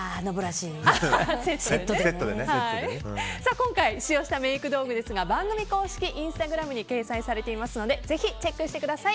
今回使用したメイク道具ですが番組公式インスタグラムに掲載されていますので是非チェックしてください。